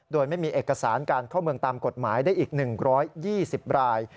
โดยไม่มีเอกสารการเข้าเมืองตามกฎหมายได้อีก๑๒๐ราย